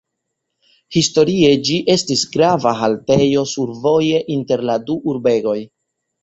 Historie ĝi estis grava haltejo survoje inter la du urbegoj.